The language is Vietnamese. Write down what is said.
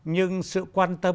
nhưng sự quan tâm